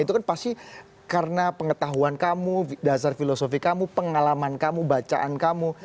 itu kan pasti karena pengetahuan kamu dasar filosofi kamu pengalaman kamu bacaan kamu